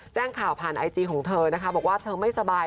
แจ้งข่าวผ่านไอจีของเธอนะคะบอกว่าเธอไม่สบาย